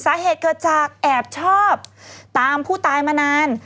สาเหตุเกิดจากแอบชอบตามผู้ตายมานาน